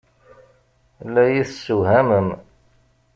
La iyi-tessewhamem.